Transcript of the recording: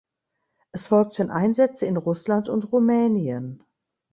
Es folgten Einsätze in Russland und Rumänien.